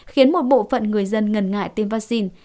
khiến một bộ phận người dân ngần ngại tiêm vaccine